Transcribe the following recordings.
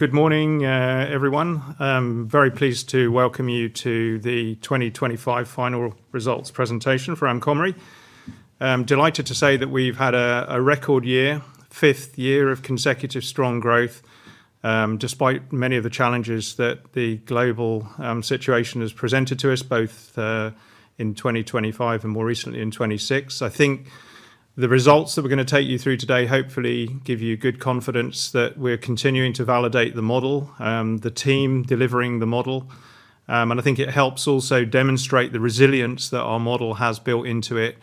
Good morning, everyone. I'm very pleased to welcome you to the 2025 final results presentation for Amcomri. I'm delighted to say that we've had a record year, fifth year of consecutive strong growth, despite many of the challenges that the global situation has presented to us, both in 2025 and more recently in 2026. I think the results that we're going to take you through today hopefully give you good confidence that we're continuing to validate the model, the team delivering the model, and I think it helps also demonstrate the resilience that our model has built into it,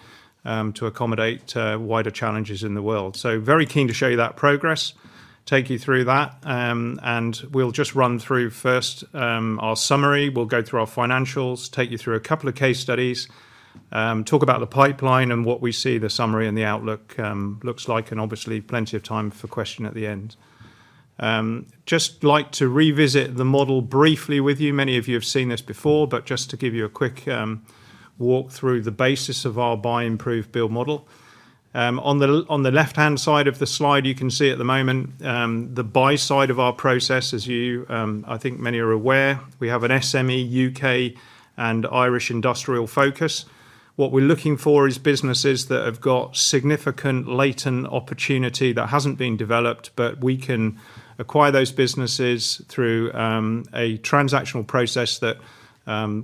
to accommodate wider challenges in the world. Very keen to show you that progress, take you through that, and we'll just run through first our summary. We'll go through our financials, take you through a couple of case studies, talk about the pipeline and what we see the summary and the outlook looks like, and obviously plenty of time for question at the end. Just like to revisit the model briefly with you. Many of you have seen this before, but just to give you a quick walk through the basis of our Buy, Improve, Build model. On the left-hand side of the slide, you can see at the moment, the buy side of our process as you, I think many are aware, we have an SME, U.K., and Irish industrial focus. What we're looking for is businesses that have got significant latent opportunity that hasn't been developed, but we can acquire those businesses through a transactional process that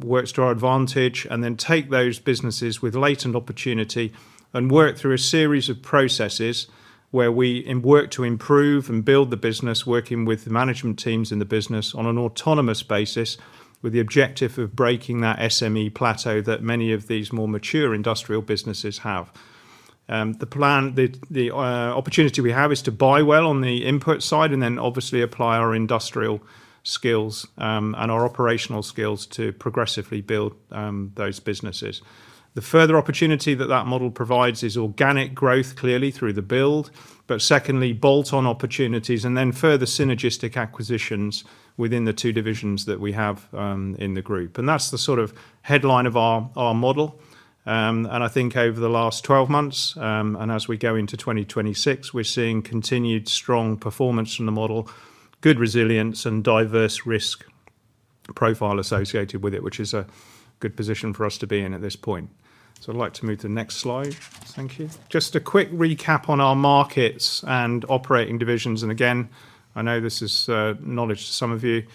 works to our advantage, and then take those businesses with latent opportunity and work through a series of processes where we work to improve and build the business, working with the management teams in the business on an autonomous basis with the objective of breaking that SME plateau that many of these more mature industrial businesses have. The opportunity we have is to buy well on the input side, and then obviously apply our industrial skills, and our operational skills to progressively build those businesses. The further opportunity that that model provides is organic growth, clearly through the build, but secondly, bolt-on opportunities and then further synergistic acquisitions within the two divisions that we have in the group. That's the sort of headline of our model. I think over the last 12 months, and as we go into 2026, we're seeing continued strong performance from the model, good resilience and diverse risk profile associated with it, which is a good position for us to be in at this point. I'd like to move to the next slide. Thank you. Just a quick recap on our markets and operating divisions. Again, I know this is knowledge to some of you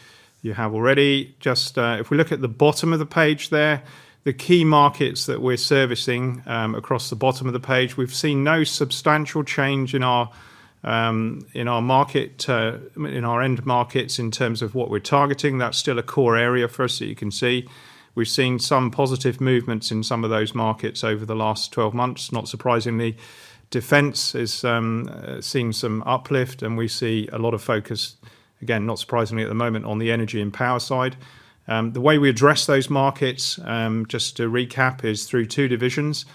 have already. If we look at the bottom of the page there, the key markets that we're servicing, across the bottom of the page, we've seen no substantial change in our end markets in terms of what we're targeting. That's still a core area for us that you can see. We've seen some positive movements in some of those markets over the last 12 months. Not surprisingly, defense has seen some uplift, and we see a lot of focus, again, not surprisingly at the moment on the energy and power side. The way we address those markets, just to recap, is through two divisions,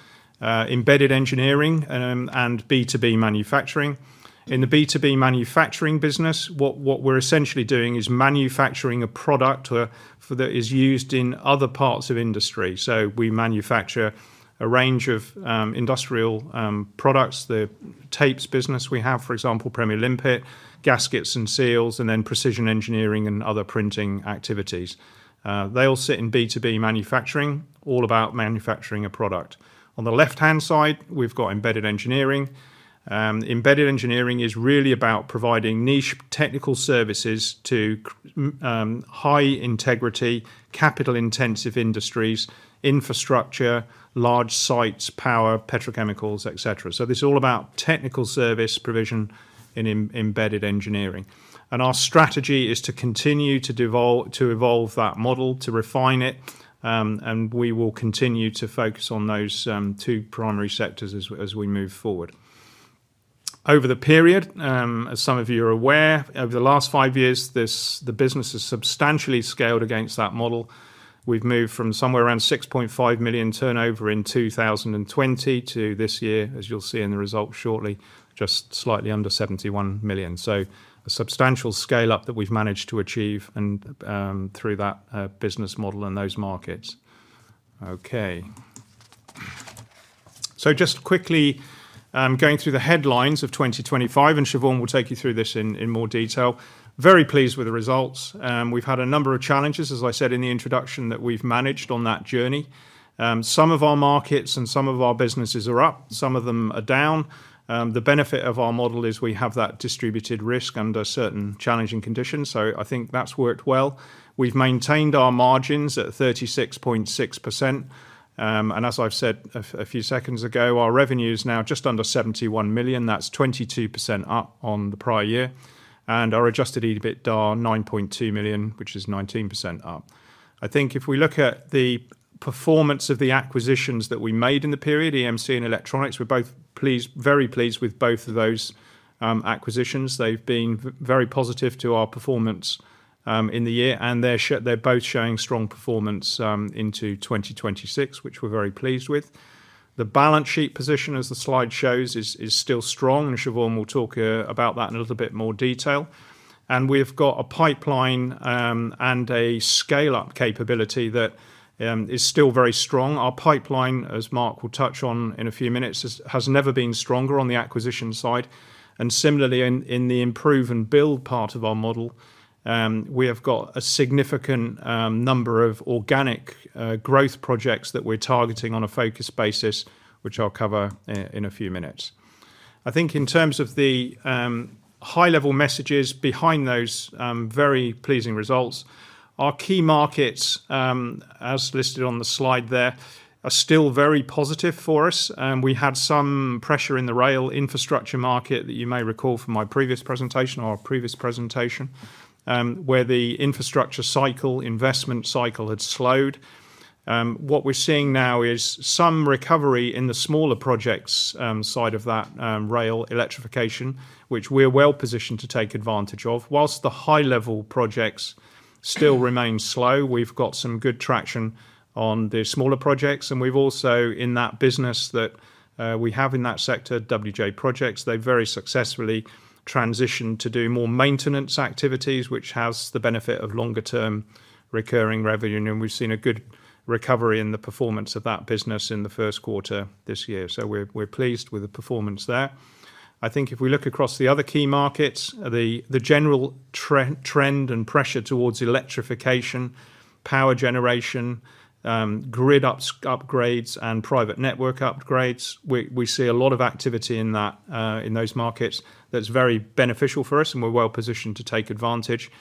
Embedded Engineering, and B2B Manufacturing. In the B2B Manufacturing business, what we're essentially doing is manufacturing a product that is used in other parts of industry. We manufacture a range of industrial products. The tapes business we have, for example, Premier Limpet, gaskets and seals, and then precision engineering and other printing activities. They all sit in B2B Manufacturing, all about manufacturing a product. On the left-hand side, we've got Embedded Engineering. Embedded Engineering is really about providing niche technical services to high integrity, capital intensive industries, infrastructure, large sites, power, petrochemicals, et cetera. This is all about technical service provision in Embedded Engineering. Our strategy is to continue to evolve that model, to refine it, and we will continue to focus on those two primary sectors as we move forward. Over the period, as some of you are aware, over the last five years, the business has substantially scaled against that model. We've moved from somewhere around 6.5 million turnover in 2020 to this year, as you'll see in the results shortly, just slightly under 71 million. A substantial scale up that we've managed to achieve through that business model and those markets. Just quickly, going through the headlines of 2025, Siobhán will take you through this in more detail. Very pleased with the results. We've had a number of challenges, as I said in the introduction, that we've managed on that journey. Some of our markets and some of our businesses are up, some of them are down. The benefit of our model is we have that distributed risk under certain challenging conditions. I think that's worked well. We've maintained our margins at 36.6%, and as I've said a few seconds ago, our revenue is now just under 71 million. That's 22% up on the prior year, and our adjusted EBITDA, 9.2 million, which is 19% up. I think if we look at the performance of the acquisitions that we made in the period, EMC and Electronix, we're very pleased with both of those acquisitions. They've been very positive to our performance in the year. They're both showing strong performance into 2026, which we're very pleased with. The balance sheet position, as the slide shows, is still strong, and Siobhán will talk about that in a little bit more detail. We've got a pipeline, and a scale-up capability that is still very strong. Our pipeline, as Mark will touch on in a few minutes, has never been stronger on the acquisition side. Similarly, in the improve and build part of our model, we have got a significant number of organic growth projects that we're targeting on a focused basis, which I'll cover in a few minutes. I think in terms of the high-level messages behind those very pleasing results, our key markets, as listed on the slide there, are still very positive for us. We had some pressure in the rail infrastructure market that you may recall from my previous presentation or our previous presentation, where the infrastructure cycle, investment cycle had slowed. What we're seeing now is some recovery in the smaller projects side of that rail electrification, which we are well-positioned to take advantage of. Whilst the high-level projects still remain slow, we've got some good traction on the smaller projects. We've also, in that business that we have in that sector, WJ Projects, they very successfully transitioned to do more maintenance activities, which has the benefit of longer-term recurring revenue. We've seen a good recovery in the performance of that business in the first quarter this year. We're pleased with the performance there. I think if we look across the other key markets, the general trend and pressure towards electrification, power generation, grid upgrades, and private network upgrades, we see a lot of activity in those markets that's very beneficial for us, and we're well positioned to take advantage.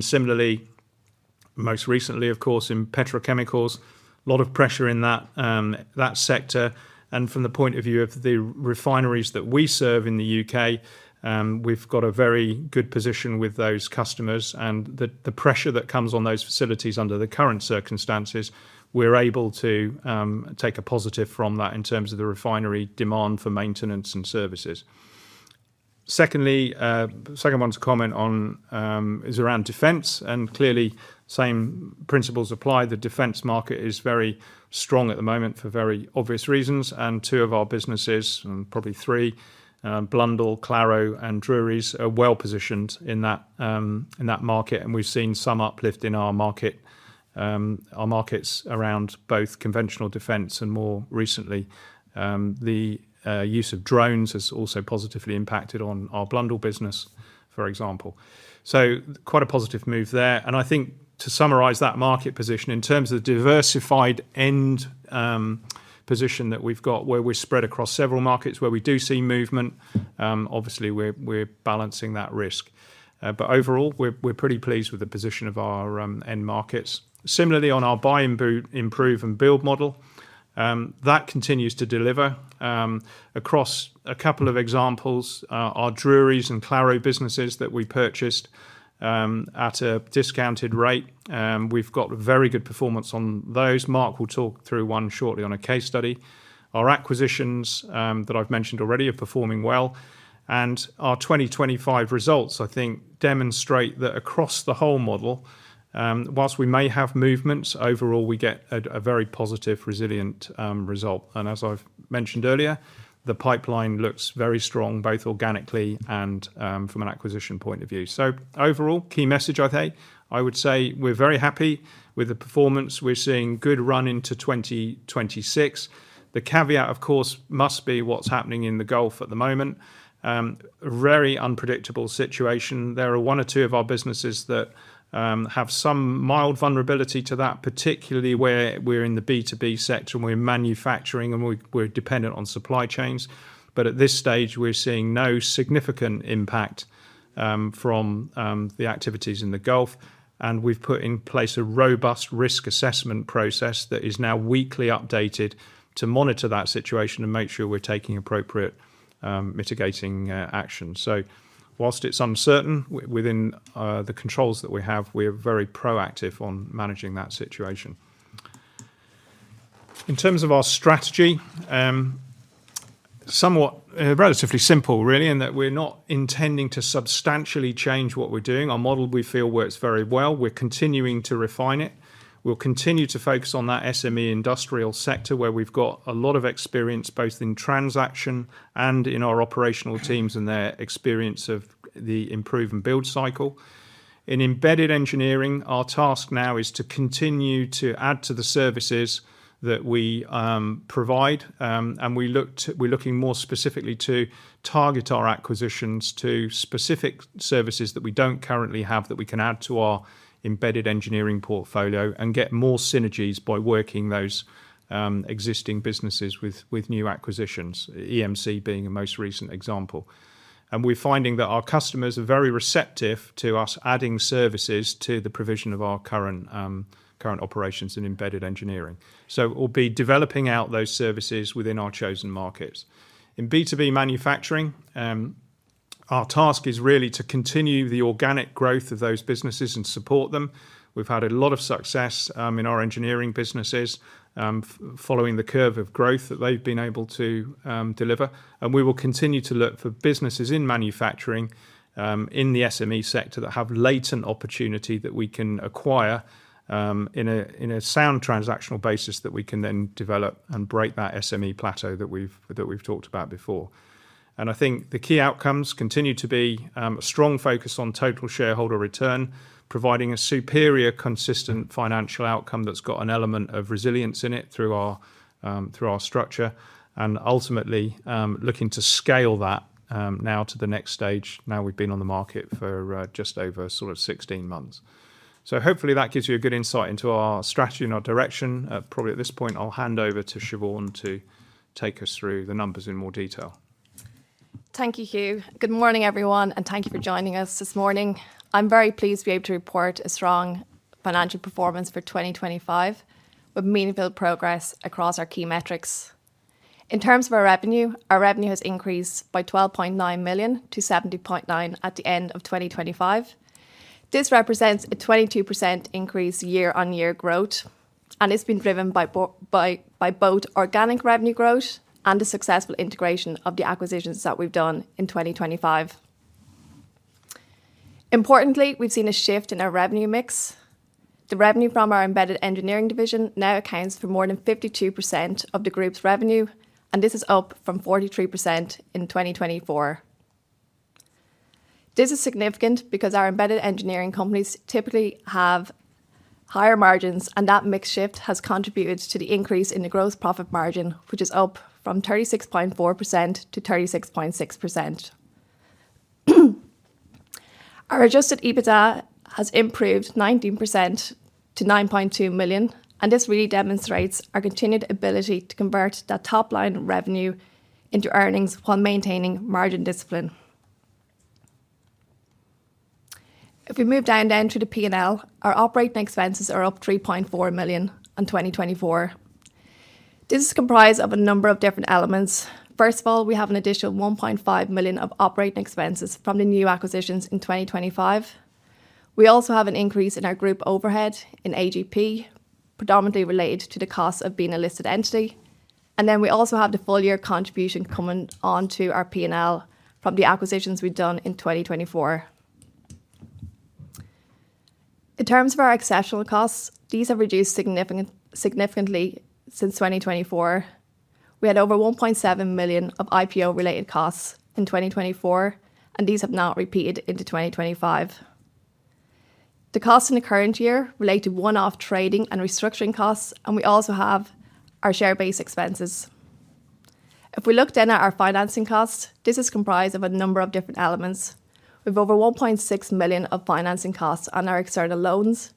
Similarly, most recently, of course, in petrochemicals, a lot of pressure in that sector. From the point of view of the refineries that we serve in the U.K., we've got a very good position with those customers. The pressure that comes on those facilities under the current circumstances, we're able to take a positive from that in terms of the refinery demand for maintenance and services. Secondly, the second one to comment on is around defense. Clearly the same principles apply. The defense market is very strong at the moment for very obvious reasons. Two of our businesses, probably three, Blundell, Claro, and Drurys, are well positioned in that market. We've seen some uplift in our markets around both conventional defense and, more recently, the use of drones has also positively impacted on our Blundell business, for example. Quite a positive move there. I think to summarize that market position in terms of the diversified end position that we've got where we're spread across several markets where we do see movement, obviously we're balancing that risk. Overall, we're pretty pleased with the position of our end markets. Similarly, on our Buy, Improve, Build model, that continues to deliver across a couple of examples. Our Drurys and Claro businesses that we purchased at a discounted rate, we've got very good performance on those. Mark will talk through one shortly on a case study. Our acquisitions that I've mentioned already are performing well. Our 2025 results, I think, demonstrate that across the whole model, whilst we may have movements, overall, we get a very positive, resilient result. As I've mentioned earlier, the pipeline looks very strong, both organically and from an acquisition point of view. Overall, key message I think, I would say we're very happy with the performance. We're seeing good run into 2026. The caveat, of course, must be what's happening in the Gulf at the moment. A very unpredictable situation. There are one or two of our businesses that have some mild vulnerability to that, particularly where we're in the B2B sector and we're manufacturing and we're dependent on supply chains. At this stage, we're seeing no significant impact from the activities in the Gulf. We've put in place a robust risk assessment process that is now weekly updated to monitor that situation and make sure we're taking appropriate mitigating action. Whilst it's uncertain, within the controls that we have, we are very proactive on managing that situation. In terms of our strategy, relatively simple really, in that we're not intending to substantially change what we're doing. Our model we feel works very well. We are continuing to refine it. We will continue to focus on that SME industrial sector, where we have got a lot of experience, both in transaction and in our operational teams and their experience of the Improve and Build cycle. In Embedded Engineering, our task now is to continue to add to the services that we provide. We are looking more specifically to target our acquisitions to specific services that we do not currently have that we can add to our Embedded Engineering portfolio and get more synergies by working those existing businesses with new acquisitions, EMC being a most recent example. We are finding that our customers are very receptive to us adding services to the provision of our current operations in Embedded Engineering. We will be developing out those services within our chosen markets. In B2B Manufacturing, our task is really to continue the organic growth of those businesses and support them. We have had a lot of success in our engineering businesses, following the curve of growth that they have been able to deliver, we will continue to look for businesses in manufacturing in the SME sector that have latent opportunity that we can acquire in a sound transactional basis that we can then develop and break that SME plateau that we have talked about before. I think the key outcomes continue to be a strong focus on total shareholder return, providing a superior, consistent financial outcome that has got an element of resilience in it through our structure, and ultimately, looking to scale that now to the next stage now we have been on the market for just over 16 months. Hopefully that gives you a good insight into our strategy and our direction. Probably at this point, I will hand over to Siobhán to take us through the numbers in more detail. Thank you, Hugh. Good morning, everyone, and thank you for joining us this morning. I am very pleased to be able to report a strong financial performance for 2025, with meaningful progress across our key metrics. In terms of our revenue, our revenue has increased by 12.9 million-70.9 million at the end of 2025. This represents a 22% increase year-on-year growth, it has been driven by both organic revenue growth and the successful integration of the acquisitions that we have done in 2025. Importantly, we have seen a shift in our revenue mix. The revenue from our Embedded Engineering division now accounts for more than 52% of the group's revenue, this is up from 43% in 2024. This is significant because our Embedded Engineering companies typically have higher margins, that mix shift has contributed to the increase in the gross profit margin, which is up from 36.4%-36.6%. Our adjusted EBITDA has improved 19% to 9.2 million. This really demonstrates our continued ability to convert that top-line revenue into earnings while maintaining margin discipline. If we move down to the P&L, our operating expenses are up 3.4 million on 2024. This is comprised of a number of different elements. First of all, we have an additional 1.5 million of operating expenses from the new acquisitions in 2025. We also have an increase in our group overhead in AGP, predominantly related to the cost of being a listed entity. We also have the full-year contribution coming onto our P&L from the acquisitions we've done in 2024. In terms of our exceptional costs, these have reduced significantly since 2024. We had over 1.7 million of IPO-related costs in 2024, and these have now repeated into 2025. The costs in the current year relate to one-off trading and restructuring costs. We also have our share-based expenses. If we look at our financing costs, this is comprised of a number of different elements. We've over 1.6 million of financing costs on our external loans.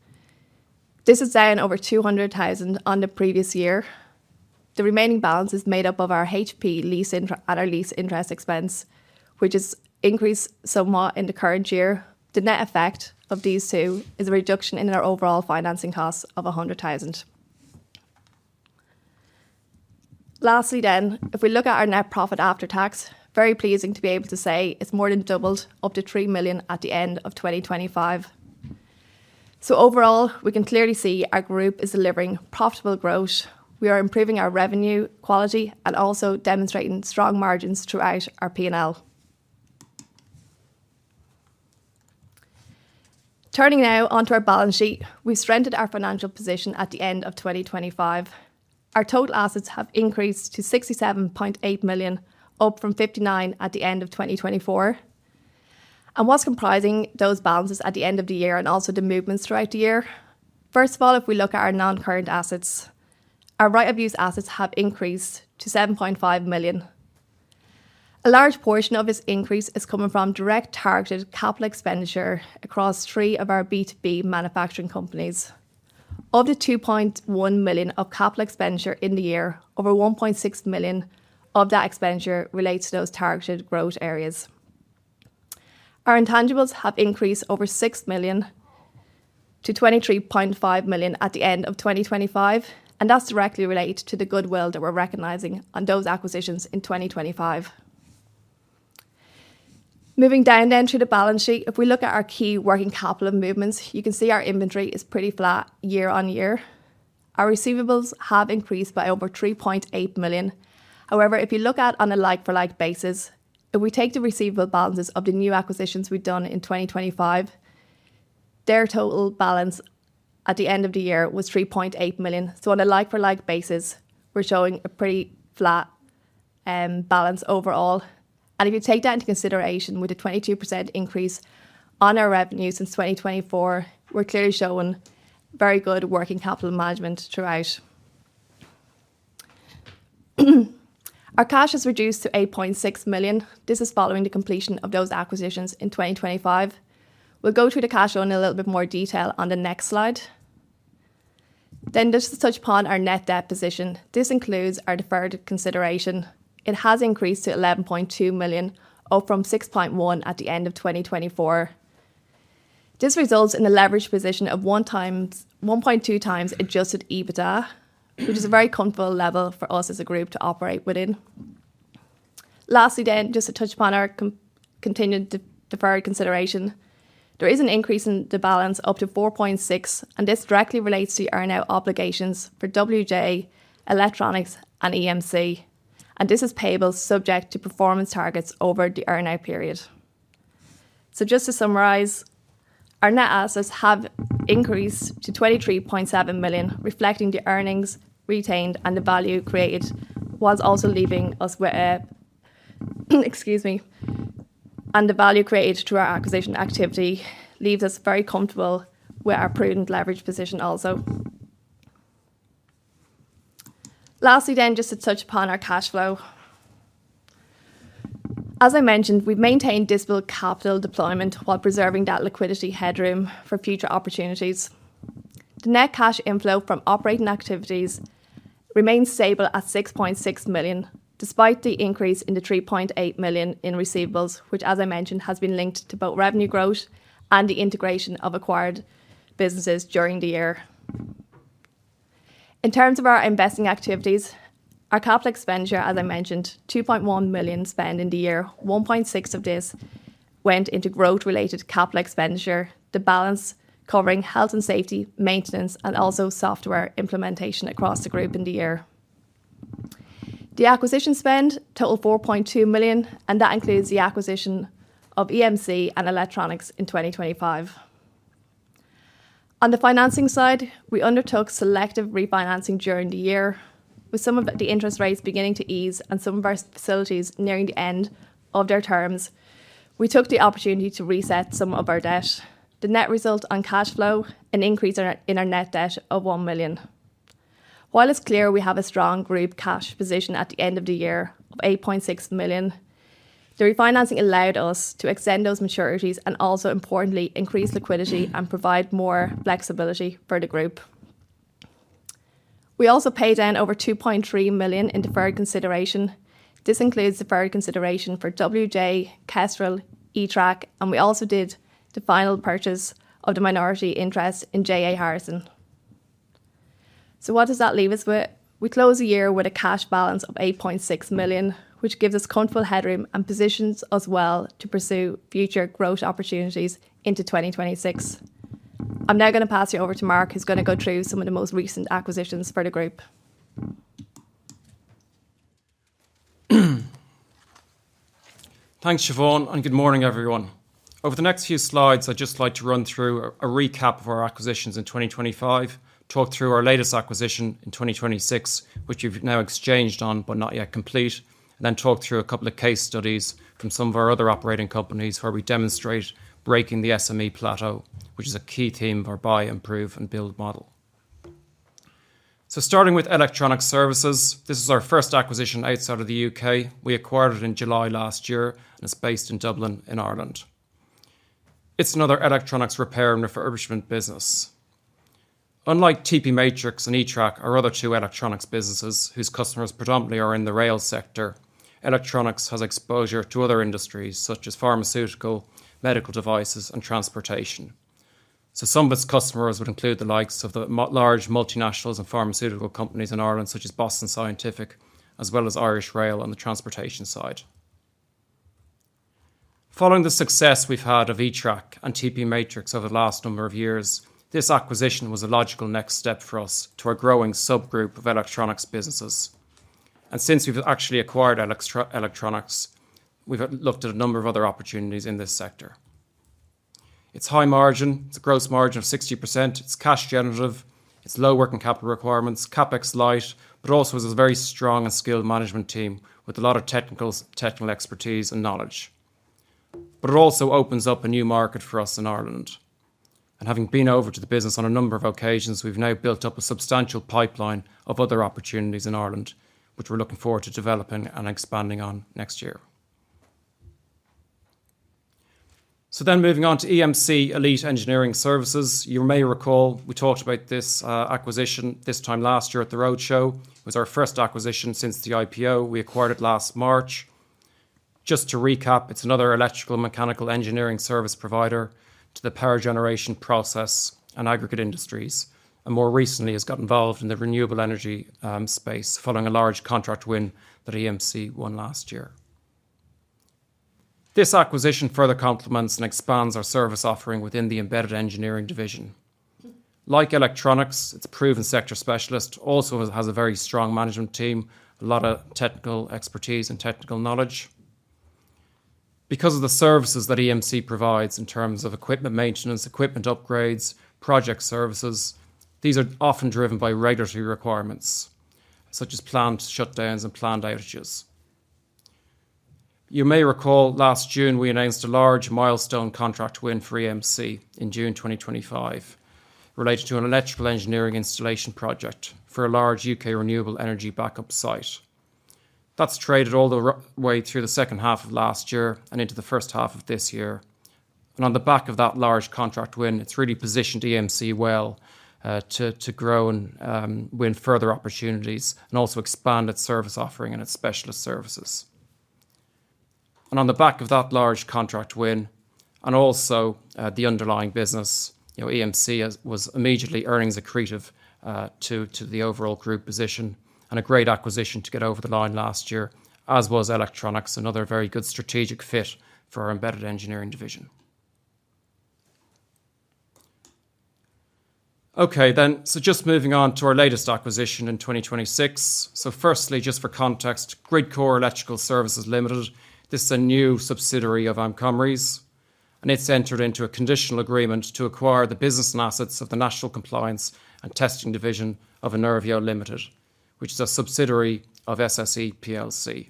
This is down over 200,000 on the previous year. The remaining balance is made up of our HP lease and our lease interest expense, which has increased somewhat in the current year. The net effect of these two is a reduction in our overall financing costs of 100,000. Lastly, if we look at our net profit after tax, very pleasing to be able to say it's more than doubled, up to 3 million at the end of 2025. Overall, we can clearly see our group is delivering profitable growth. We are improving our revenue quality and also demonstrating strong margins throughout our P&L. Turning now onto our balance sheet. We strengthened our financial position at the end of 2025. Our total assets have increased to 67.8 million, up from 59 million at the end of 2024. What's comprising those balances at the end of the year and also the movements throughout the year? First of all, if we look at our non-current assets, our right-of-use assets have increased to 7.5 million. A large portion of this increase is coming from direct targeted capital expenditure across three of our B2B manufacturing companies. Of the 2.1 million of capital expenditure in the year, over 1.6 million of that expenditure relates to those targeted growth areas. Our intangibles have increased over 6 million to 23.5 million at the end of 2025. That's directly related to the goodwill that we're recognizing on those acquisitions in 2025. Moving down to the balance sheet. If we look at our key working capital movements, you can see our inventory is pretty flat year-on-year. Our receivables have increased by over 3.8 million. However, if you look at on a like-for-like basis, if we take the receivable balances of the new acquisitions we've done in 2025, their total balance at the end of the year was 3.8 million. On a like-for-like basis, we're showing a pretty flat balance overall. If you take that into consideration with the 22% increase on our revenue since 2024, we're clearly showing very good working capital management throughout. Our cash has reduced to 8.6 million. This is following the completion of those acquisitions in 2025. We'll go through the cash flow in a little bit more detail on the next slide. Just to touch upon our net debt position. This includes our deferred consideration. It has increased to 11.2 million, up from 6.1 at the end of 2024. This results in a leverage position of 1.2x adjusted EBITDA, which is a very comfortable level for us as a group to operate within. Lastly, just to touch upon our continued deferred consideration. There is an increase in the balance up to 4.6 million, and this directly relates to earn-out obligations for WJ Electronics and EMC, and this is payable subject to performance targets over the earn-out period. Just to summarize, our net assets have increased to 23.7 million, reflecting the earnings retained and the value created whilst also leaving us with. Excuse me. The value created through our acquisition activity leaves us very comfortable with our prudent leverage position also. Lastly, just to touch upon our cash flow. As I mentioned, we've maintained disciplined capital deployment while preserving that liquidity headroom for future opportunities. The net cash inflow from operating activities remains stable at 6.6 million, despite the increase in the 3.8 million in receivables, which as I mentioned, has been linked to both revenue growth and the integration of acquired businesses during the year. In terms of our investing activities, our capital expenditure, as I mentioned, 2.1 million spent in the year, 1.6 of this went into growth-related capital expenditure. The balance covering health and safety, maintenance, and also software implementation across the group in the year. The acquisition spend total 4.2 million, and that includes the acquisition of EMC and Electronix Services in 2025. On the financing side, we undertook selective refinancing during the year. With some of the interest rates beginning to ease and some of our facilities nearing the end of their terms, we took the opportunity to reset some of our debt. The net result on cash flow, an increase in our net debt of 1 million. While it's clear we have a strong group cash position at the end of the year of 8.6 million, the refinancing allowed us to extend those maturities and also importantly, increase liquidity and provide more flexibility for the group. We also paid down over 2.3 million in deferred consideration. This includes deferred consideration for WJ, Kestrel, eTrac, and we also did the final purchase of the minority interest in J A Harrison. What does that leave us with? We close the year with a cash balance of 8.6 million, which gives us comfortable headroom and positions us well to pursue future growth opportunities into 2026. I'm now going to pass you over to Mark, who's going to go through some of the most recent acquisitions for the group. Thanks, Siobhán. Good morning, everyone. Over the next few slides, I'd just like to run through a recap of our acquisitions in 2025, talk through our latest acquisition in 2026, which we've now exchanged on, but not yet complete, then talk through a couple of case studies from some of our other operating companies, where we demonstrate breaking the SME plateau, which is a key theme of our Buy, Improve, Build model. Starting with Electronix Services, this is our first acquisition outside of the U.K. We acquired it in July last year, and it's based in Dublin in Ireland. It's another electronics repair and refurbishment business. Unlike TP Matrix and eTrac, our other two electronics businesses, whose customers predominantly are in the rail sector, Electronix Services has exposure to other industries such as pharmaceutical, medical devices, and transportation. Some of its customers would include the likes of the large multinationals and pharmaceutical companies in Ireland such as Boston Scientific, as well as Irish Rail on the transportation side. Following the success we've had of eTrac and TP Matrix over the last number of years, this acquisition was a logical next step for us to our growing subgroup of electronics businesses. Since we've actually acquired Electronix Services, we've looked at a number of other opportunities in this sector. It's high margin. It's a gross margin of 60%. It's cash generative. It's low working capital requirements, CapEx light, also has a very strong and skilled management team with a lot of technical expertise and knowledge. It also opens up a new market for us in Ireland. Having been over to the business on a number of occasions, we've now built up a substantial pipeline of other opportunities in Ireland, which we're looking forward to developing and expanding on next year. Moving on to EMC Elite Engineering Services. You may recall we talked about this acquisition this time last year at the roadshow. It was our first acquisition since the IPO. We acquired it last March. Just to recap, it's another electrical mechanical engineering service provider to the power generation process and aggregate industries, more recently has got involved in the renewable energy space following a large contract win that EMC won last year. This acquisition further complements and expands our service offering within the Embedded Engineering division. Like Electronix Services, it's a proven sector specialist, also has a very strong management team, a lot of technical expertise and technical knowledge. Because of the services that EMC provides in terms of equipment maintenance, equipment upgrades, project services, these are often driven by regulatory requirements such as planned shutdowns and planned outages. You may recall last June, we announced a large milestone contract win for EMC in June 2025 related to an electrical engineering installation project for a large U.K. renewable energy backup site. That's traded all the way through the second half of last year and into the first half of this year. On the back of that large contract win, it's really positioned EMC well to grow and win further opportunities and also expand its service offering and its specialist services. On the back of that large contract win and also the underlying business, EMC was immediately earnings accretive to the overall group position and a great acquisition to get over the line last year, as was Electronix Services, another very good strategic fit for our Embedded Engineering division. Just moving on to our latest acquisition in 2026. Firstly, just for context, GridCore Electrical Services Limited. This is a new subsidiary of Amcomri's, and it's entered into a conditional agreement to acquire the business and assets of the National Compliance and Testing division of Enerveo Limited, which is a subsidiary of SSE plc.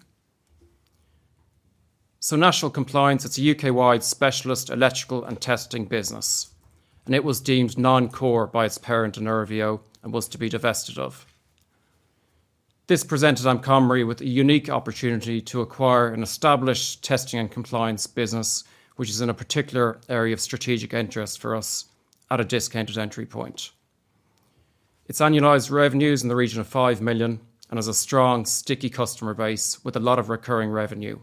National Compliance, it's a U.K.-wide specialist electrical and testing business, and it was deemed non-core by its parent, Enerveo, and was to be divested of. This presented Amcomri with a unique opportunity to acquire an established testing and compliance business, which is in a particular area of strategic interest for us at a discounted entry point. Its annualized revenue is in the region of 5 million and has a strong, sticky customer base with a lot of recurring revenue,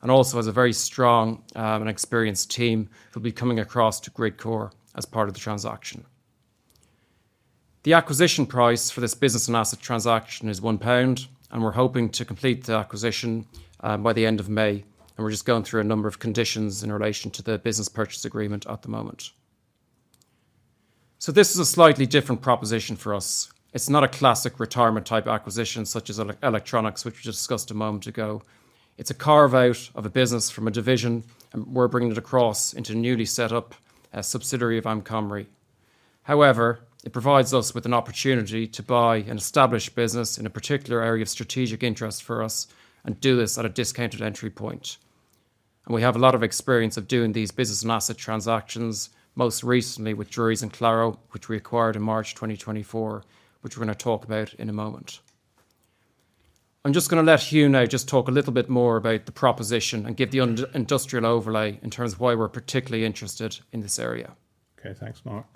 and also has a very strong and experienced team who'll be coming across to GridCore as part of the transaction. The acquisition price for this business and asset transaction is 1 pound, and we're hoping to complete the acquisition by the end of May. We're just going through a number of conditions in relation to the business purchase agreement at the moment. This is a slightly different proposition for us. It's not a classic retirement type acquisition such as Electronix Services, which we discussed a moment ago. It's a carve-out of a business from a division, and we're bringing it across into a newly set-up subsidiary of Amcomri. However, it provides us with an opportunity to buy an established business in a particular area of strategic interest for us and do this at a discounted entry point. We have a lot of experience of doing these business and asset transactions, most recently with Drurys and Claro, which we acquired in March 2024, which we're going to talk about in a moment. I'm just going to let Hugh now just talk a little bit more about the proposition and give the industrial overlay in terms of why we're particularly interested in this area. Okay. Thanks, Mark.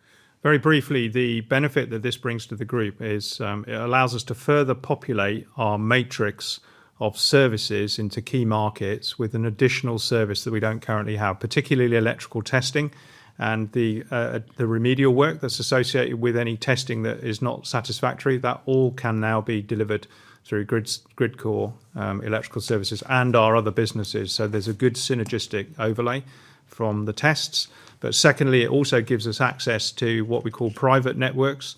Very briefly, the benefit that this brings to the group is it allows us to further populate our matrix of services into key markets with an additional service that we don't currently have, particularly electrical testing and the remedial work that's associated with any testing that is not satisfactory. That all can now be delivered through GridCore Electrical Services and our other businesses. There's a good synergistic overlay from the tests. secondly, it also gives us access to what we call private networks,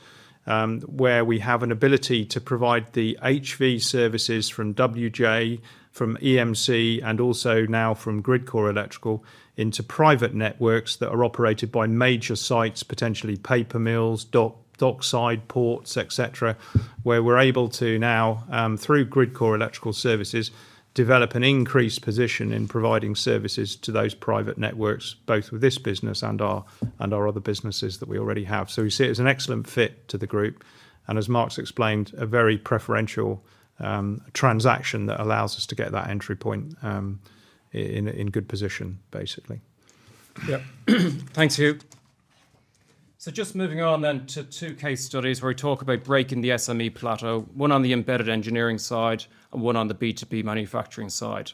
where we have an ability to provide the HV services from WJ, from EMC, and also now from GridCore Electrical into private networks that are operated by major sites, potentially paper mills, dockside ports, et cetera, where we're able to now, through GridCore Electrical Services, develop an increased position in providing services to those private networks, both with this business and our other businesses that we already have. We see it as an excellent fit to the group, and as Mark's explained, a very preferential transaction that allows us to get that entry point in good position, basically. Yeah. Thanks, Hugh. Just moving on then to two case studies where we talk about breaking the SME plateau, one on the Embedded Engineering side and one on the B2B Manufacturing side.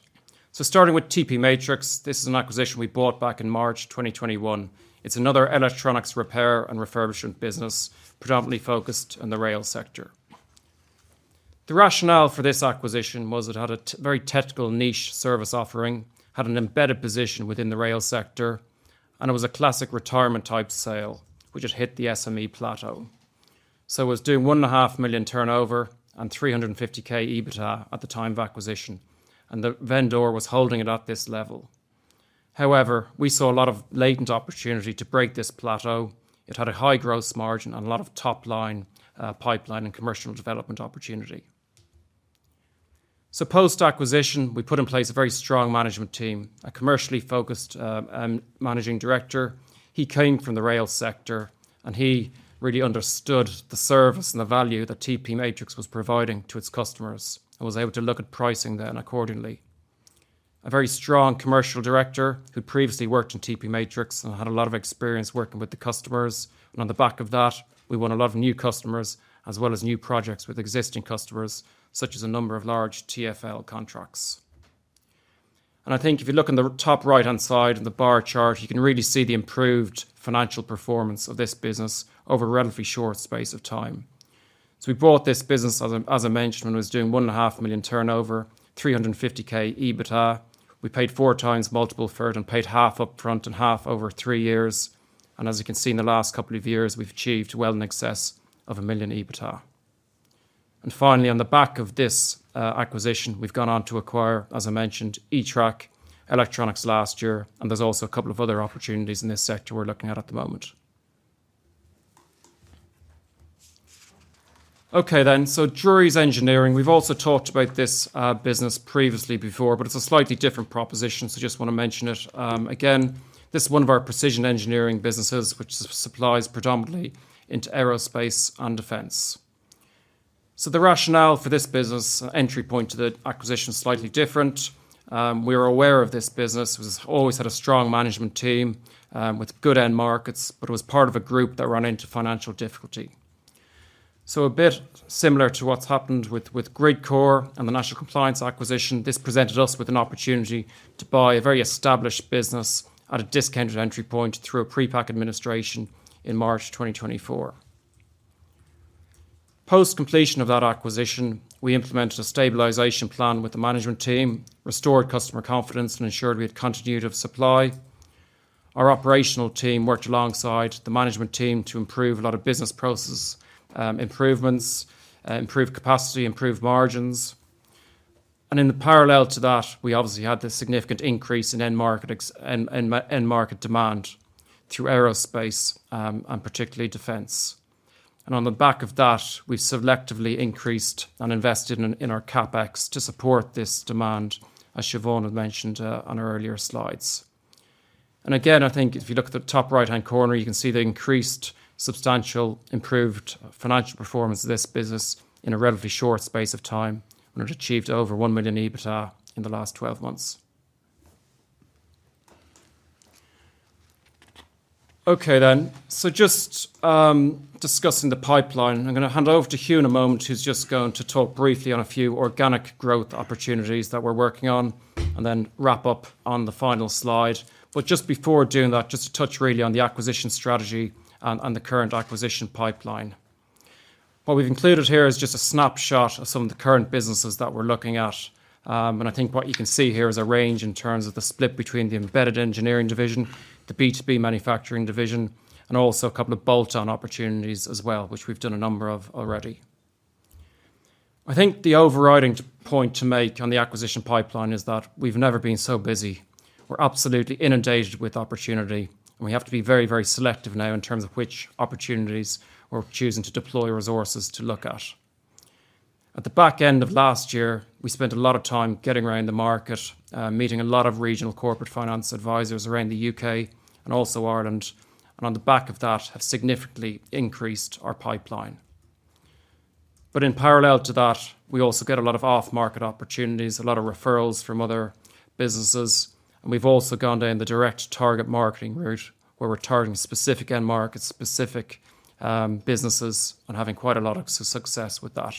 Starting with TP Matrix, this is an acquisition we bought back in March 2021. It's another electronics repair and refurbishment business predominantly focused on the rail sector. The rationale for this acquisition was it had a very technical niche service offering, had an embedded position within the rail sector, and it was a classic retirement type sale, which had hit the SME plateau. It was doing 1.5 million turnover and 350K EBITDA at the time of acquisition, and the vendor was holding it at this level. However, we saw a lot of latent opportunity to break this plateau. It had a high growth margin and a lot of top-line pipeline and commercial development opportunity. Post-acquisition, we put in place a very strong management team, a commercially focused managing director. He came from the rail sector, and he really understood the service and the value that TP Matrix was providing to its customers and was able to look at pricing then accordingly. A very strong commercial director who'd previously worked in TP Matrix and had a lot of experience working with the customers. On the back of that, we won a lot of new customers as well as new projects with existing customers, such as a number of large TfL contracts. I think if you look in the top right-hand side in the bar chart, you can really see the improved financial performance of this business over a relatively short space of time. We bought this business, as I mentioned, when it was doing 1.5 million turnover, 350K EBITDA. We paid four times multiple for it and paid half up front and half over three years. As you can see, in the last couple of years, we've achieved well in excess of 1 million EBITDA. Finally, on the back of this acquisition, we've gone on to acquire, as I mentioned, eTrac last year, and there's also a couple of other opportunities in this sector we're looking at at the moment. Okay then. Drurys Engineering, we've also talked about this business previously before, but it's a slightly different proposition, just want to mention it again. This is one of our precision engineering businesses, which supplies predominantly into aerospace and defense. The rationale for this business entry point to the acquisition is slightly different. We were aware of this business. It has always had a strong management team, with good end markets, but it was part of a group that ran into financial difficulty. A bit similar to what's happened with GridCore and the National Compliance acquisition, this presented us with an opportunity to buy a very established business at a discounted entry point through a pre-pack administration in March 2024. Post-completion of that acquisition, we implemented a stabilization plan with the management team, restored customer confidence, and ensured we had continuity of supply. Our operational team worked alongside the management team to improve a lot of business process improvements, improve capacity, improve margins. In parallel to that, we obviously had this significant increase in end market demand through aerospace and particularly defense. On the back of that, we've selectively increased and invested in our CapEx to support this demand, as Siobhán had mentioned on her earlier slides. Again, I think if you look at the top right-hand corner, you can see the increased substantial improved financial performance of this business in a relatively short space of time, and it achieved over 1 million EBITDA in the last 12 months. Okay. Just discussing the pipeline. I'm going to hand over to Hugh in a moment, who's just going to talk briefly on a few organic growth opportunities that we're working on, and then wrap up on the final slide. Just before doing that, just to touch really on the acquisition strategy and on the current acquisition pipeline. What we've included here is just a snapshot of some of the current businesses that we're looking at. I think what you can see here is a range in terms of the split between the Embedded Engineering division, the B2B Manufacturing division, and also a couple of bolt-on opportunities as well, which we've done a number of already. I think the overriding point to make on the acquisition pipeline is that we've never been so busy. We're absolutely inundated with opportunity, and we have to be very selective now in terms of which opportunities we're choosing to deploy resources to look at. At the back end of last year, we spent a lot of time getting around the market, meeting a lot of regional corporate finance advisors around the U.K. and also Ireland. On the back of that have significantly increased our pipeline. In parallel to that, we also get a lot of off-market opportunities, a lot of referrals from other businesses. We've also gone down the direct target marketing route, where we're targeting specific end markets, specific businesses, and having quite a lot of success with that.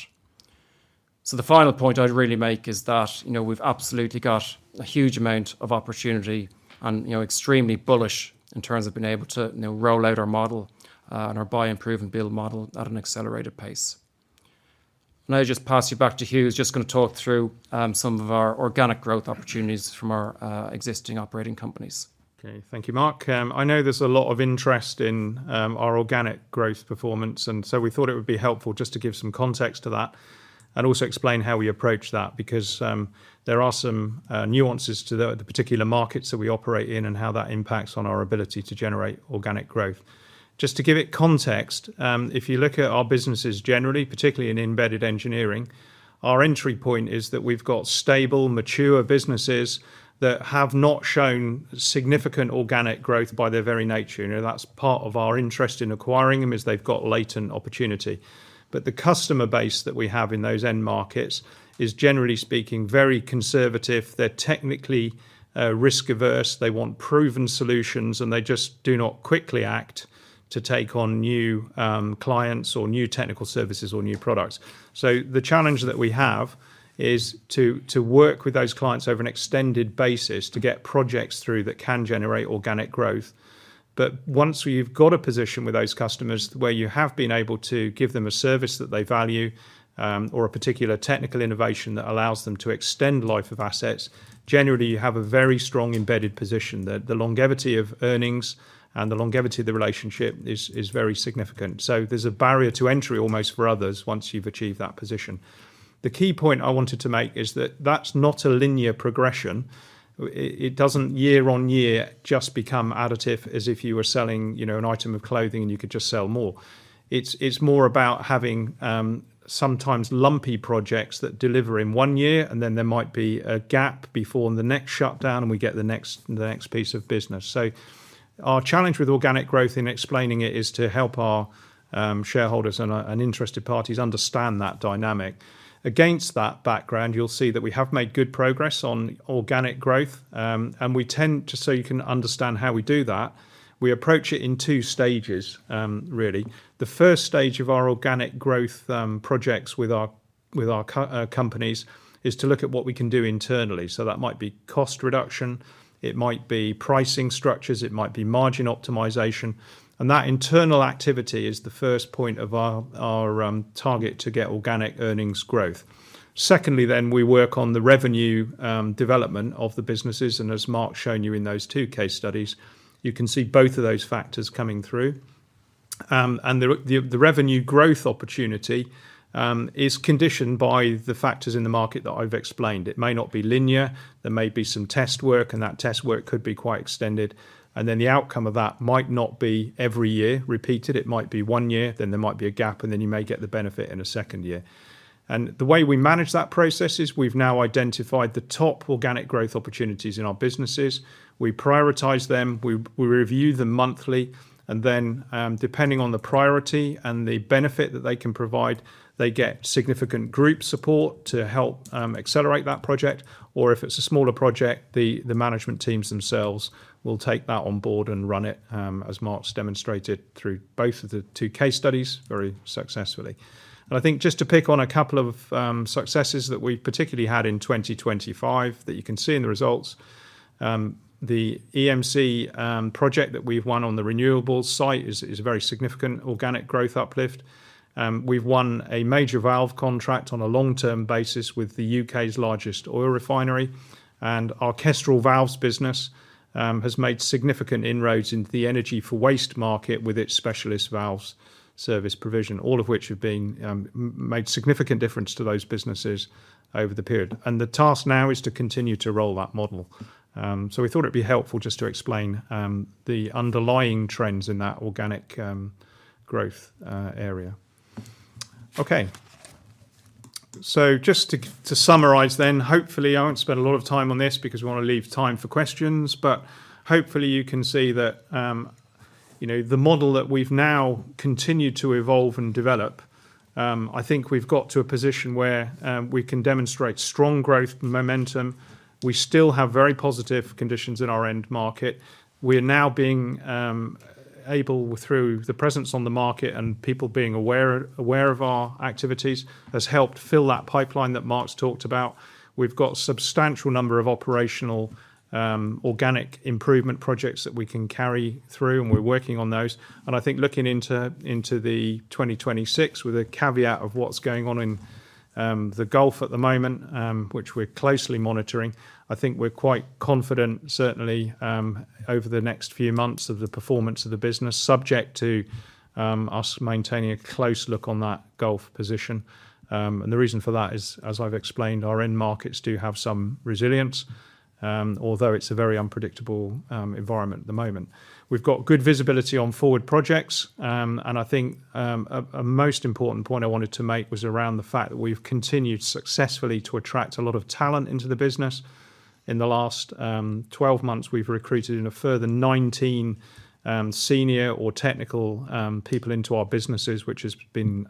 The final point I'd really make is that we've absolutely got a huge amount of opportunity and extremely bullish in terms of being able to roll out our model and our Buy, Improve, Build model at an accelerated pace. I'll just pass you back to Hugh, who's just going to talk through some of our organic growth opportunities from our existing operating companies. Okay. Thank you, Mark. I know there's a lot of interest in our organic growth performance. We thought it would be helpful just to give some context to that and also explain how we approach that. There are some nuances to the particular markets that we operate in and how that impacts on our ability to generate organic growth. Just to give it context, if you look at our businesses generally, particularly in Embedded Engineering, our entry point is that we've got stable, mature businesses that have not shown significant organic growth by their very nature. That's part of our interest in acquiring them, is they've got latent opportunity. The customer base that we have in those end markets is, generally speaking, very conservative. They're technically risk averse. They want proven solutions. They just do not quickly act to take on new clients or new technical services or new products. The challenge that we have is to work with those clients over an extended basis to get projects through that can generate organic growth. Once we've got a position with those customers where you have been able to give them a service that they value, or a particular technical innovation that allows them to extend life of assets, generally, you have a very strong embedded position. The longevity of earnings and the longevity of the relationship is very significant. There's a barrier to entry almost for others once you've achieved that position. The key point I wanted to make is that that's not a linear progression. It doesn't year on year just become additive as if you were selling an item of clothing and you could just sell more. It's more about having sometimes lumpy projects that deliver in one year. Then there might be a gap before the next shutdown. We get the next piece of business. Our challenge with organic growth in explaining it is to help our shareholders and interested parties understand that dynamic. Against that background, you'll see that we have made good progress on organic growth. We tend to, so you can understand how we do that, we approach it in two stages really. The first stage of our organic growth projects with our companies is to look at what we can do internally. That might be cost reduction, it might be pricing structures, it might be margin optimization. That internal activity is the first point of our target to get organic earnings growth. Secondly, we work on the revenue development of the businesses. As Mark's shown you in those two case studies, you can see both of those factors coming through. The revenue growth opportunity is conditioned by the factors in the market that I've explained. It may not be linear, there may be some test work. That test work could be quite extended. The outcome of that might not be every year repeated. It might be one year. Then there might be a gap. Then you may get the benefit in a second year. The way we manage that process is we've now identified the top organic growth opportunities in our businesses. We prioritize them, we review them monthly, then, depending on the priority and the benefit that they can provide, they get significant group support to help accelerate that project. If it's a smaller project, the management teams themselves will take that on board and run it, as Mark's demonstrated through both of the two case studies very successfully. I think just to pick on a couple of successes that we particularly had in 2025 that you can see in the results, the EMC project that we've won on the renewables site is a very significant organic growth uplift. We've won a major valve contract on a long-term basis with the U.K.'s largest oil refinery. Our Kestrel Valves business has made significant inroads into the energy from waste market with its specialist valves service provision. All of which have made significant difference to those businesses over the period. The task now is to continue to roll that model. We thought it'd be helpful just to explain the underlying trends in that organic growth area. Just to summarize, hopefully I won't spend a lot of time on this because we want to leave time for questions, but hopefully you can see that the model that we've now continued to evolve and develop, I think we've got to a position where we can demonstrate strong growth momentum. We still have very positive conditions in our end market. We are now being able, through the presence on the market and people being aware of our activities, has helped fill that pipeline that Mark's talked about. We've got substantial number of operational organic improvement projects that we can carry through, and we're working on those. I think looking into 2026, with a caveat of what's going on in the Gulf at the moment, which we're closely monitoring, I think we're quite confident, certainly, over the next few months of the performance of the business, subject to us maintaining a close look on that Gulf position. The reason for that is, as I've explained, our end markets do have some resilience, although it's a very unpredictable environment at the moment. We've got good visibility on forward projects, I think a most important point I wanted to make was around the fact that we've continued successfully to attract a lot of talent into the business. In the last 12 months, we've recruited a further 19 senior or technical people into our businesses, which has been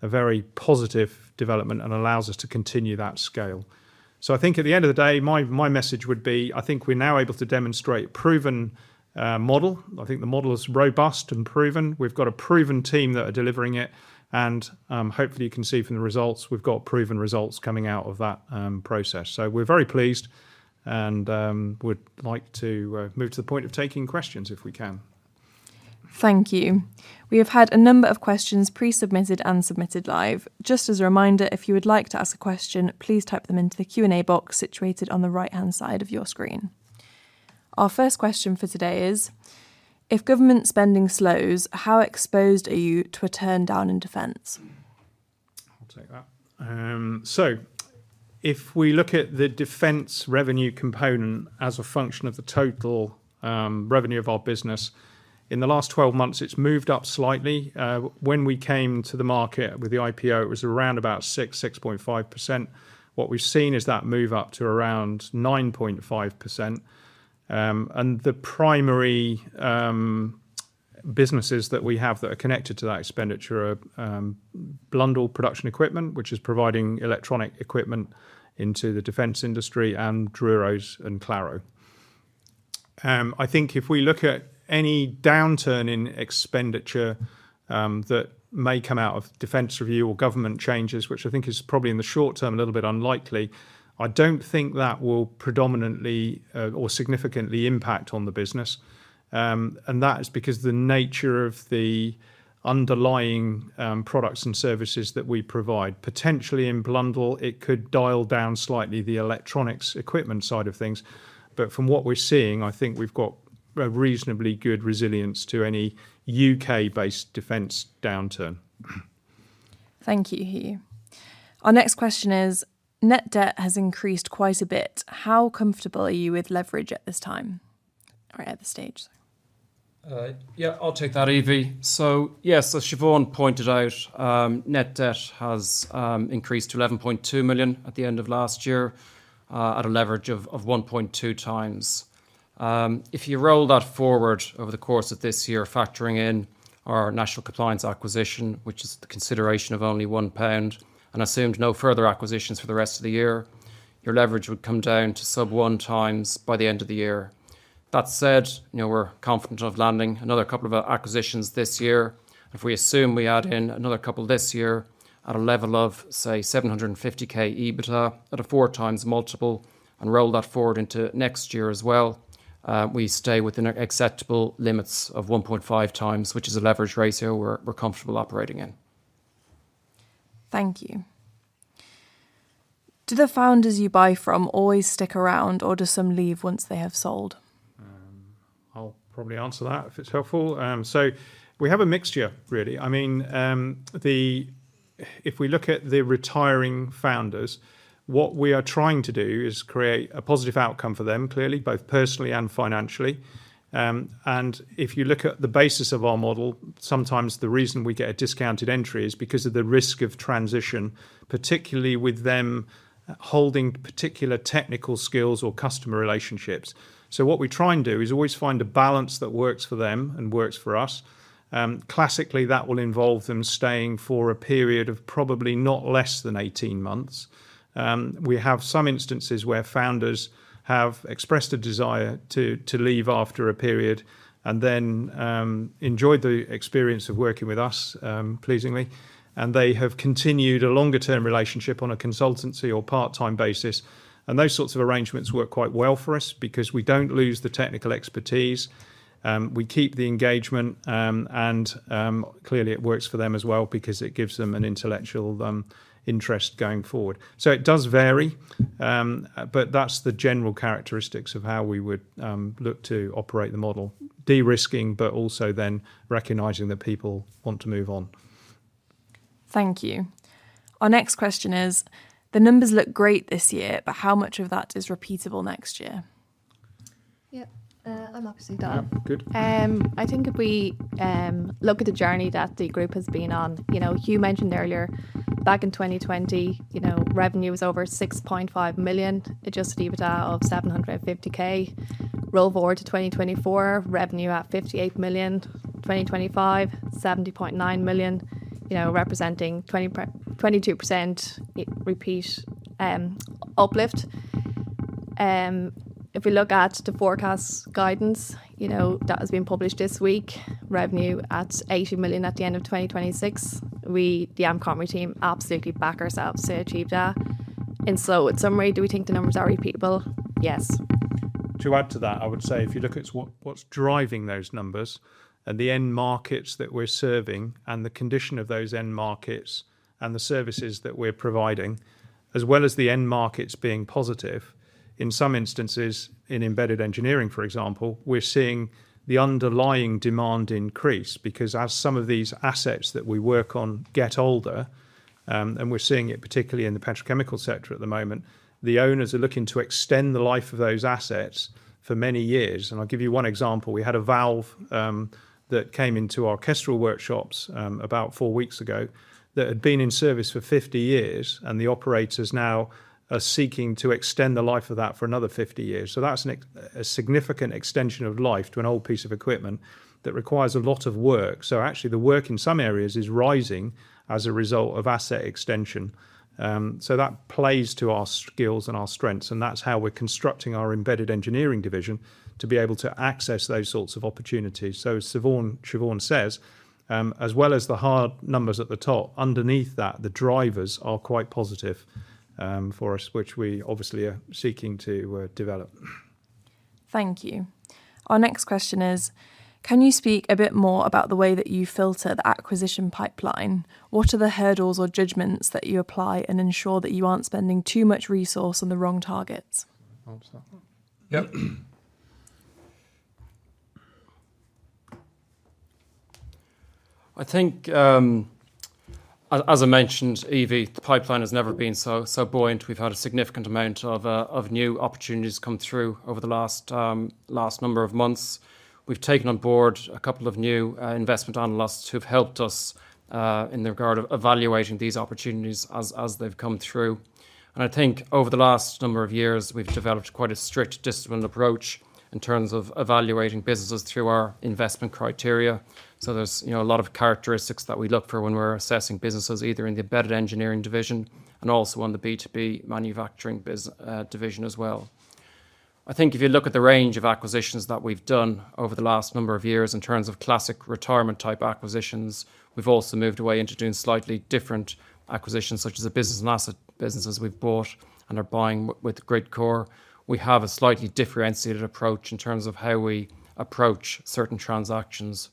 a very positive development and allows us to continue that scale. I think at the end of the day, my message would be, I think we're now able to demonstrate proven model. I think the model is robust and proven. We've got a proven team that are delivering it, hopefully you can see from the results, we've got proven results coming out of that process. We're very pleased and would like to move to the point of taking questions if we can. Thank you. We have had a number of questions pre-submitted and submitted live. Just as a reminder, if you would like to ask a question, please type them into the Q&A box situated on the right-hand side of your screen. Our first question for today is, if government spending slows, how exposed are you to a turn down in defense? I'll take that. If we look at the defense revenue component as a function of the total revenue of our business, in the last 12 months, it's moved up slightly. When we came to the market with the IPO, it was around about 6%, 6.5%. What we've seen is that move up to around 9.5%, and the primary businesses that we have that are connected to that expenditure are Blundell Production Equipment, which is providing electronic equipment into the defense industry, and Drurys and Claro. If we look at any downturn in expenditure that may come out of defense review or government changes, which I think is probably in the short term, a little bit unlikely, I don't think that will predominantly or significantly impact on the business. That is because the nature of the underlying products and services that we provide. Potentially in Blundell, it could dial down slightly the electronics equipment side of things. From what we're seeing, I think we've got a reasonably good resilience to any U.K.-based defense downturn. Thank you, Hugh. Our next question is, net debt has increased quite a bit. How comfortable are you with leverage at this time or at this stage, sorry? Yeah, I'll take that, Evie. Yes, as Siobhán pointed out, net debt has increased to 11.2 million at the end of last year at a leverage of 1.2x. If you roll that forward over the course of this year, factoring in our National Compliance and Testing acquisition, which is the consideration of only 1 pound, and assumed no further acquisitions for the rest of the year, your leverage would come down to sub 1x by the end of the year. That said, we're confident of landing another couple of acquisitions this year. If we assume we add in another couple this year at a level of, say, 750K EBITDA at a 4x multiple and roll that forward into next year as well, we stay within acceptable limits of 1.5x, which is a leverage ratio we're comfortable operating in. Thank you. Do the founders you buy from always stick around or do some leave once they have sold? I'll probably answer that if it's helpful. We have a mixture really. If we look at the retiring founders, what we are trying to do is create a positive outcome for them, clearly, both personally and financially. If you look at the basis of our model, sometimes the reason we get a discounted entry is because of the risk of transition, particularly with them holding particular technical skills or customer relationships. What we try and do is always find a balance that works for them and works for us. Classically, that will involve them staying for a period of probably not less than 18 months. We have some instances where founders have expressed a desire to leave after a period and then enjoyed the experience of working with us, pleasingly, and they have continued a longer-term relationship on a consultancy or part-time basis. Those sorts of arrangements work quite well for us because we don't lose the technical expertise. We keep the engagement, and clearly it works for them as well because it gives them an intellectual interest going forward. It does vary, but that's the general characteristics of how we would look to operate the model, de-risking, but also then recognizing that people want to move on. Thank you. Our next question is, the numbers look great this year, but how much of that is repeatable next year? Yeah. I'm obviously done. Good. I think if we look at the journey that the group has been on. Hugh mentioned earlier, back in 2020, revenue was over 6.5 million, adjusted EBITDA of 750K. Roll forward to 2024, revenue at 58 million. 2025, 70.9 million, representing 22% repeat uplift. If we look at the forecast guidance that has been published this week, revenue at 80 million at the end of 2026. We, the Amcomri team, absolutely back ourselves to achieve that. In summary, do we think the numbers are repeatable? Yes. To add to that, I would say if you look at what's driving those numbers and the end markets that we're serving and the condition of those end markets and the services that we're providing, as well as the end markets being positive, in some instances, in Embedded Engineering, for example, we're seeing the underlying demand increase. Because as some of these assets that we work on get older, and we're seeing it particularly in the petrochemical sector at the moment, the owners are looking to extend the life of those assets for many years. I'll give you one example. We had a valve that came into our Kestrel workshops about four weeks ago that had been in service for 50 years, and the operators now are seeking to extend the life of that for another 50 years. That's a significant extension of life to an old piece of equipment that requires a lot of work. Actually, the work in some areas is rising as a result of asset extension. That plays to our skills and our strengths, and that's how we're constructing our Embedded Engineering division to be able to access those sorts of opportunities. As Siobhán says, as well as the hard numbers at the top, underneath that, the drivers are quite positive for us, which we obviously are seeking to develop. Thank you. Our next question is: Can you speak a bit more about the way that you filter the acquisition pipeline? What are the hurdles or judgments that you apply and ensure that you aren't spending too much resource on the wrong targets? Hugh, do you want to start that one? Yeah. I think, as I mentioned, Evie, the pipeline has never been so buoyant. We've had a significant amount of new opportunities come through over the last number of months. We've taken on board a couple of new investment analysts who've helped us in regard to evaluating these opportunities as they've come through. I think over the last number of years, we've developed quite a strict, disciplined approach in terms of evaluating businesses through our investment criteria. There's a lot of characteristics that we look for when we're assessing businesses, either in the Embedded Engineering division and also on the B2B Manufacturing division as well. I think if you look at the range of acquisitions that we've done over the last number of years, in terms of classic retirement type acquisitions, we've also moved away into doing slightly different acquisitions, such as the business and asset businesses we've bought and are buying with GridCore. We have a slightly differentiated approach in terms of how we approach certain transactions.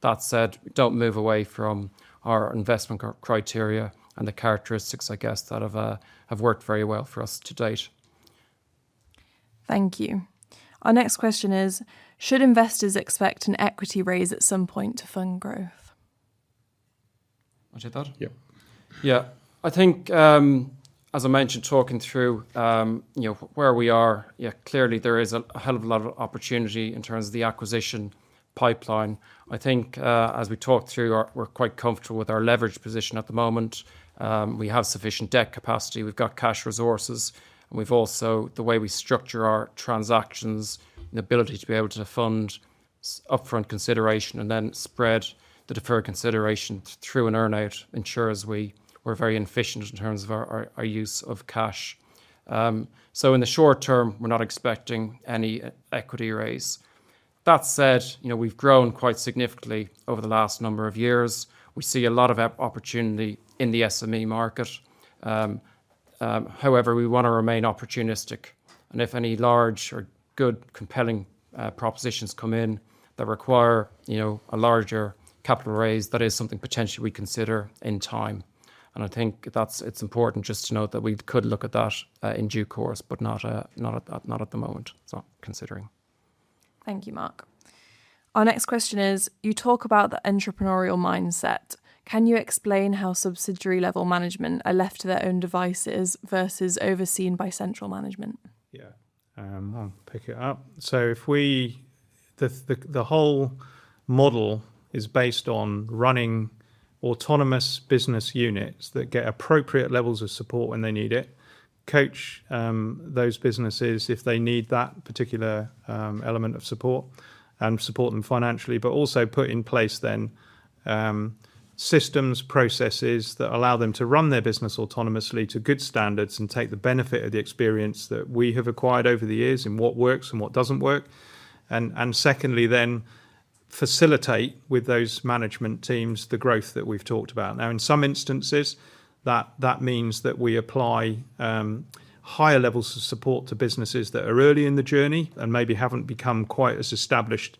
That said, we don't move away from our investment criteria and the characteristics, I guess, that have worked very well for us to date. Thank you. Our next question is: Should investors expect an equity raise at some point to fund growth? Want to take that? Yeah. Yeah. I think, as I mentioned, talking through where we are, clearly there is a hell of a lot of opportunity in terms of the acquisition pipeline. I think, as we talked through, we're quite comfortable with our leverage position at the moment. We have sufficient debt capacity. We've got cash resources, and we've also, the way we structure our transactions and ability to be able to fund upfront consideration and then spread the deferred consideration through an earn-out ensures we're very efficient in terms of our use of cash. In the short term, we're not expecting any equity raise. That said, we've grown quite significantly over the last number of years. We see a lot of opportunity in the SME market. We want to remain opportunistic, and if any large or good compelling propositions come in that require a larger capital raise, that is something potentially we consider in time. I think it's important just to note that we could look at that in due course, but not at the moment. It's not considering. Thank you, Mark. Our next question is: You talk about the entrepreneurial mindset. Can you explain how subsidiary-level management are left to their own devices versus overseen by central management? Yeah. I'll pick it up. The whole model is based on running autonomous business units that get appropriate levels of support when they need it, coach those businesses if they need that particular element of support, and support them financially. Also put in place then systems, processes that allow them to run their business autonomously to good standards and take the benefit of the experience that we have acquired over the years in what works and what doesn't work, and secondly, then facilitate with those management teams the growth that we've talked about. In some instances, that means that we apply higher levels of support to businesses that are early in the journey and maybe haven't become quite as established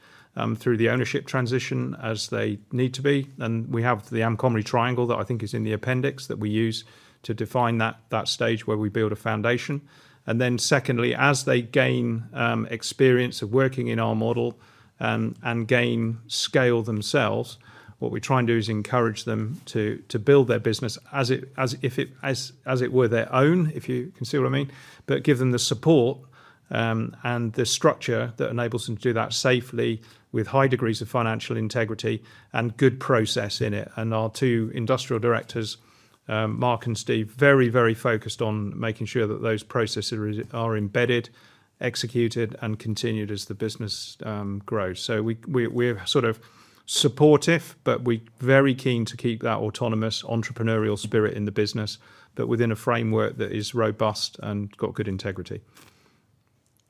through the ownership transition as they need to be. We have the Amcomri triangle, that I think is in the appendix, that we use to define that stage where we build a foundation. Then secondly, as they gain experience of working in our model and gain scale themselves, what we try and do is encourage them to build their business as it were their own, if you can see what I mean, but give them the support and the structure that enables them to do that safely with high degrees of financial integrity and good process in it. Our two industrial directors Mark and Steve, very focused on making sure that those processes are embedded, executed, and continued as the business grows. We're sort of supportive, but we're very keen to keep that autonomous entrepreneurial spirit in the business, but within a framework that is robust and got good integrity.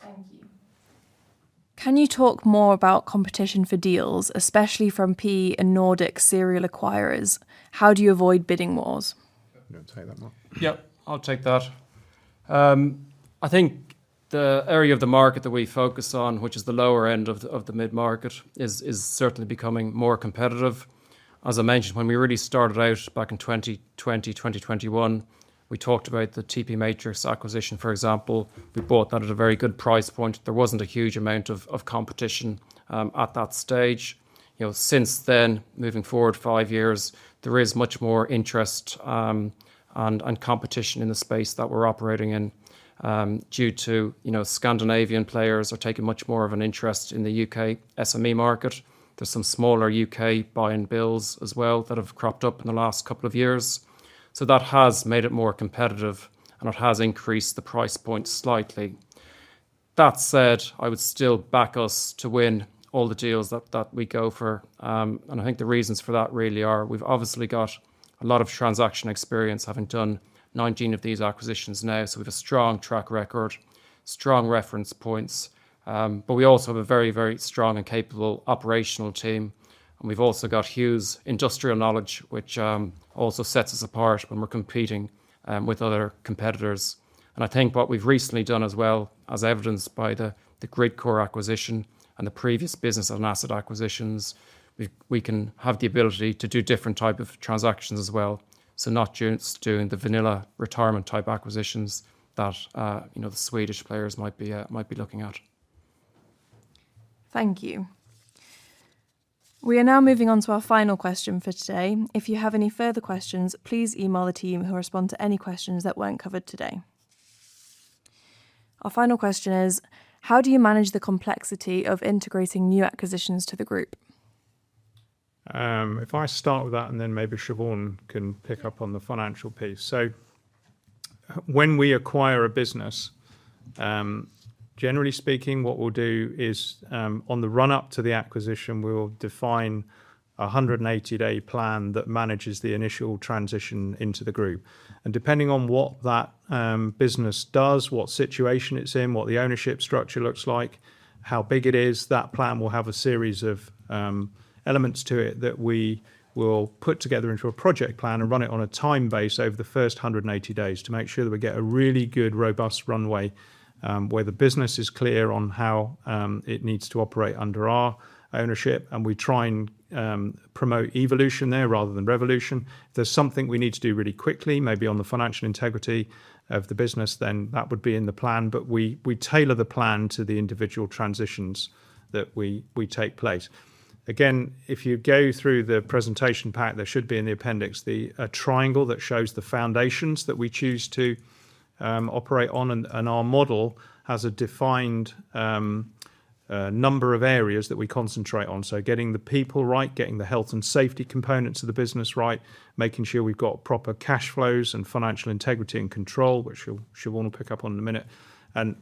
Thank you. Can you talk more about competition for deals, especially from PE and Nordic serial acquirers? How do you avoid bidding wars? You want to take that, Mark? Yeah. I'll take that. I think the area of the market that we focus on, which is the lower end of the mid-market, is certainly becoming more competitive. As I mentioned, when we really started out back in 2020, 2021, we talked about the TP Matrix acquisition, for example. We bought that at a very good price point. There wasn't a huge amount of competition at that stage. Since then, moving forward five years, there is much more interest and competition in the space that we're operating in, due to Scandinavian players are taking much more of an interest in the U.K. SME market. There's some smaller U.K. buy and builds as well that have cropped up in the last couple of years. That has made it more competitive, and it has increased the price point slightly. That said, I would still back us to win all the deals that we go for. I think the reasons for that really are, we've obviously got a lot of transaction experience, having done 19 of these acquisitions now. We've a strong track record, strong reference points. We also have a very strong and capable operational team. We've also got Hugh's industrial knowledge, which also sets us apart when we're competing with other competitors. I think what we've recently done as well, as evidenced by the GridCore acquisition and the previous business on asset acquisitions, we can have the ability to do different type of transactions as well. Not just doing the vanilla retirement type acquisitions that the Swedish players might be looking at. Thank you. We are now moving on to our final question for today. If you have any further questions, please email the team, who will respond to any questions that weren't covered today. Our final question is, how do you manage the complexity of integrating new acquisitions to the group? If I start with that, and then maybe Siobhán can pick up on the financial piece. When we acquire a business, generally speaking, what we'll do is, on the run-up to the acquisition, we'll define a 180-day plan that manages the initial transition into the group. Depending on what that business does, what situation it's in, what the ownership structure looks like, how big it is, that plan will have a series of elements to it that we will put together into a project plan and run it on a time base over the first 180 days to make sure that we get a really good, robust runway, where the business is clear on how it needs to operate under our ownership. We try and promote evolution there rather than revolution. If there's something we need to do really quickly, maybe on the financial integrity of the business, that would be in the plan. We tailor the plan to the individual transitions that we take place. Again, if you go through the presentation pack, there should be in the appendix a triangle that shows the foundations that we choose to operate on. Our model has a defined number of areas that we concentrate on. Getting the people right, getting the health and safety components of the business right, making sure we've got proper cash flows and financial integrity and control, which Siobhán will pick up on in a minute.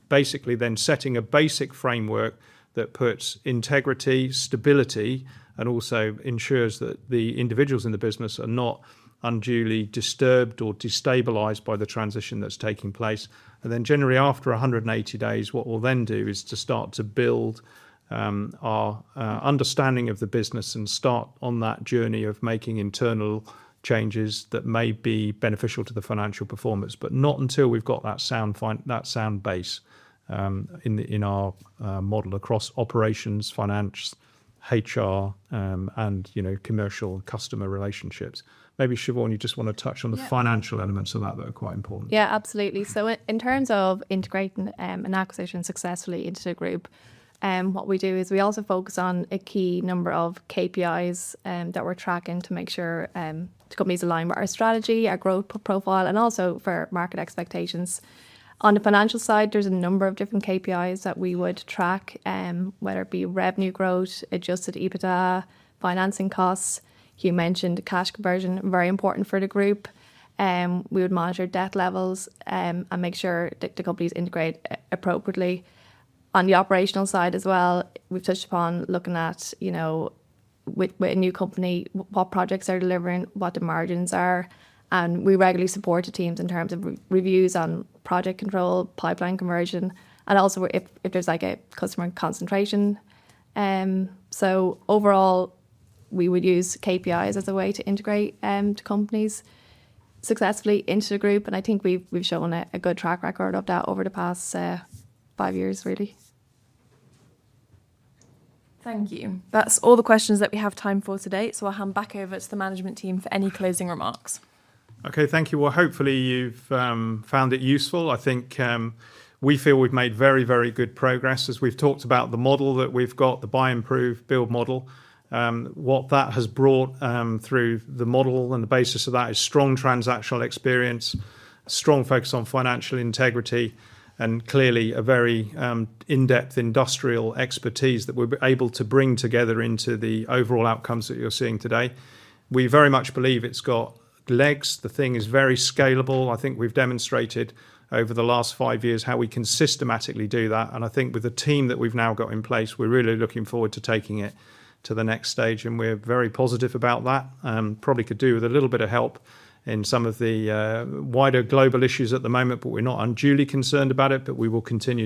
Basically setting a basic framework that puts integrity, stability, and also ensures that the individuals in the business are not unduly disturbed or destabilized by the transition that's taking place. Generally after 180 days, what we'll then do is to start to build our understanding of the business and start on that journey of making internal changes that may be beneficial to the financial performance. Not until we've got that sound base in our model across operations, finance, HR, and commercial customer relationships. Maybe, Siobhán, you just want to touch on the financial elements of that are quite important. Absolutely. In terms of integrating an acquisition successfully into the group, what we do is we also focus on a key number of KPIs that we're tracking to make sure the company's aligned with our strategy, our growth profile, and also for market expectations. On the financial side, there's a number of different KPIs that we would track, whether it be revenue growth, adjusted EBITDA, financing costs. Hugh mentioned cash conversion, very important for the group. We would monitor debt levels, and make sure that the companies integrate appropriately. On the operational side as well, we've touched upon looking at with a new company, what projects they're delivering, what the margins are. We regularly support the teams in terms of reviews on project control, pipeline conversion, and also if there's a customer concentration. Overall, we would use KPIs as a way to integrate the companies successfully into the group, and I think we've shown a good track record of that over the past five years, really. Thank you. That's all the questions that we have time for today. I'll hand back over to the management team for any closing remarks. Okay. Thank you. Well, hopefully you've found it useful. I think we feel we've made very good progress. As we've talked about the model that we've got, the Buy, Improve, Build model. What that has brought through the model and the basis of that is strong transactional experience, a strong focus on financial integrity, and clearly a very in-depth industrial expertise that we've been able to bring together into the overall outcomes that you're seeing today. We very much believe it's got legs. The thing is very scalable. I think we've demonstrated over the last five years how we can systematically do that, and I think with the team that we've now got in place, we're really looking forward to taking it to the next stage, and we're very positive about that. Probably could do with a little bit of help in some of the wider global issues at the moment, but we're not unduly concerned about it. We will continue